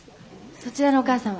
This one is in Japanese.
そちらのおかあさんは？